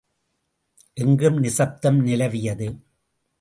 எங்கும் நிசப்தம் நிலவியது.